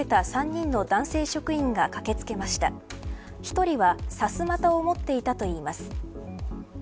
１人はさすまたを持っていたといいます。